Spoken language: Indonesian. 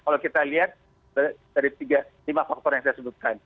kalau kita lihat dari lima faktor yang saya sebutkan